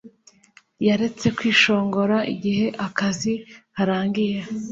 Yaretse kwishongora igihe akazi karangiye